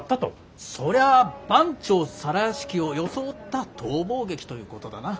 そりゃあ番町皿屋敷を装った逃亡劇ということだな。